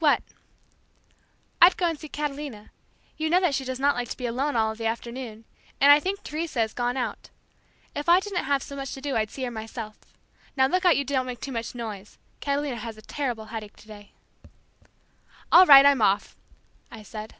"What?" "I'd go and see Catalina, You know that she does not like to be alone all of the afternoon, and I think Teresa has gone out If I didn't have so much to do I'd see her myself. Now, look out you don't make too much noise. Catalina has a terrible headache today." "All right. I'm off!" I said.